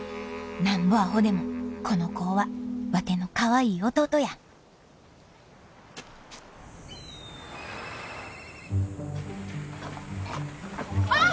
なんぼアホでもこの子はワテのかわいい弟やあっ！